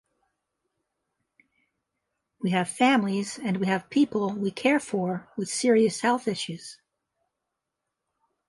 We have families and we have people we care for with serious health issues.